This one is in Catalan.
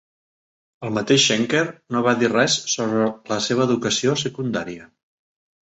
El mateix Schenker no va dir res sobre la seva educació secundària.